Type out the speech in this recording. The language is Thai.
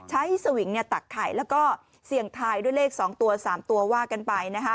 สวิงตักไข่แล้วก็เสี่ยงทายด้วยเลข๒ตัว๓ตัวว่ากันไป